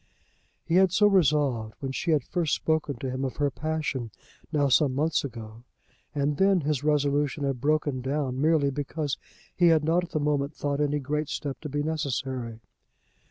He had so resolved when she had first spoken to him of her passion, now some months ago; and then his resolution had broken down merely because he had not at the moment thought any great step to be necessary.